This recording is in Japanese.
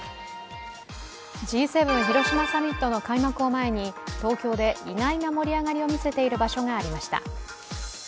Ｇ７広島サミットの開幕を前に東京で意外な盛り上がりを見せている場所がありました。